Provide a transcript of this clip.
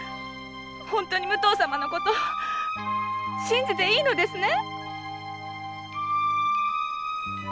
武藤様のことを信じていいのですね！